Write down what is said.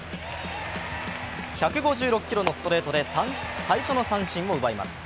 １５６キロのストレートで最初の三振を奪います。